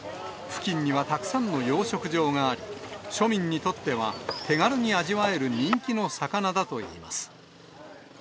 付近にはたくさんの養殖場があり、庶民にとっては、手軽に味わえる人気の魚だといいます。